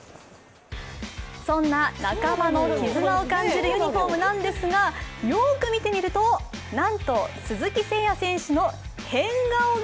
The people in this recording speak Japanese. そんな仲間の絆を感じるユニフォームなんですがよく見てみると、なんと鈴木誠也選手の変顔が